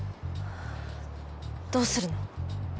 どうするの？